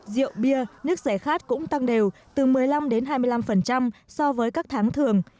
rượu bia nước rẻ khát cũng tăng đều từ một mươi năm đến hai mươi năm so với các tháng thường